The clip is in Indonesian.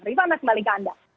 riva saya kembali ke anda